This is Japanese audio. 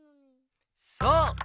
そう！